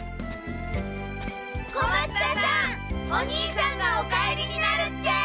小松田さんお兄さんがお帰りになるって！